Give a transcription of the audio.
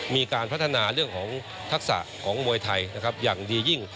มีการพัฒนาเรื่องของทักษะของมวยไทยนะครับอย่างดียิ่ง